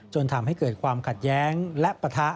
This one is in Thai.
จนทำให้เกิดความขัดแย้งและปะทะ